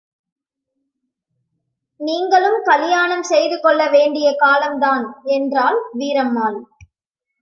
நீங்களும் கலியாணம் செய்து கொள்ள வேண்டிய காலம் தான் என்றாள் வீரம்மாள்.